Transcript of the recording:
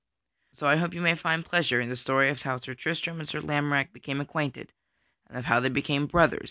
So I hope that you may find pleasure in the story of how Sir Tristram and Sir Lamorack became acquainted, and of how they became brothers in arms.